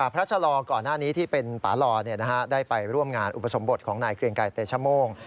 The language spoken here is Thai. ชะลอก่อนหน้านี้ที่เป็นป่าลอได้ไปร่วมงานอุปสมบทของนายเกรงไกรเตชมโม่ง